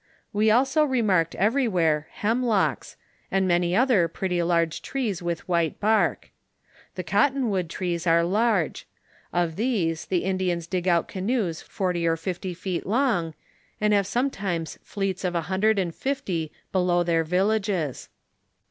We also re marked everywhere, hemlocks, and many other pretty large ti'ees with white bark. The cotton wood trees are large ; of these, the Indians dig out canoes forty or fifty feet long, and have sometimes fleets of a hundred and fifty below their vil lages.